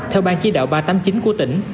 theo ban chỉ đạo ba trăm tám mươi chín của tỉnh